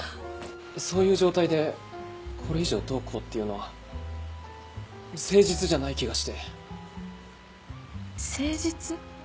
そういう状態でこれ以上どうこうっていうのは誠実じゃない気がして誠実？